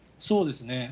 そうですね。